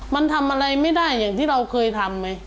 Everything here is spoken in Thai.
มันทำอะไรไม่ได้อย่างที่เราเคยทำไหม